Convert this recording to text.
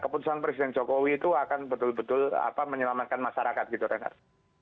keputusan presiden jokowi itu akan betul betul menyelamatkan masyarakat gitu renhard